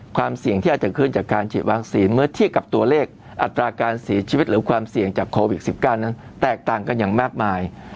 ความเสี่ยงที่อาจจะขึ้นจากการฉีดวัคซีนเมื่อเทียบกับตัวเลขอัตราการเสียชีวิตหรือความเสี่ยงจากโควิด๑๙นั้นแตกต่างกันอย่างมากมาย